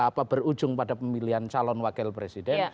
yang kemudian berujung pada pemilihan calon wakil presiden